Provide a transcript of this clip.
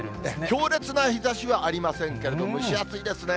強烈な日ざしはありませんけれども、蒸し暑いですね。